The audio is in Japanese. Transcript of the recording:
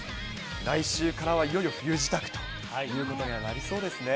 来週からはいよいよ冬支度ということになりそうですね。